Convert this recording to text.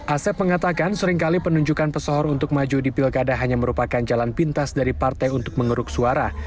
asep mengatakan seringkali penunjukan pesohor untuk maju di pilkada hanya merupakan jalan pintas dari partai untuk mengeruk suara